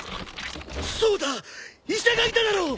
そうだ医者がいただろ！